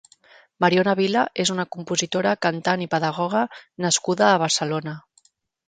Mariona Vila és una compositora, cantant i pedagoga nascuda a Barcelona.